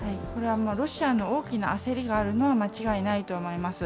ロシアの大きな焦りがあるのは間違いないと思います。